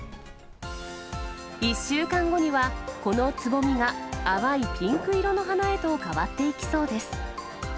１週間後にはこのつぼみが淡いピンク色の花へと変わっていきそうです。